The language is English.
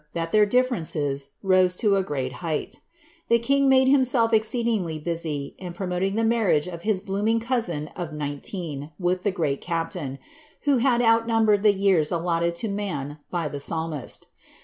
that ilieir differences rose lo a great height. The king made himclf C!(ceeilingly busy in pioDioling the marria^ of his blooming coniin af iiitieicrii with the great rapiaiu, who had oui tiumbered the yearaalleuid to in.in by the PsalDiisl.